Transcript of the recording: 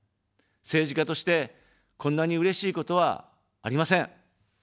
政治家として、こんなにうれしいことはありません。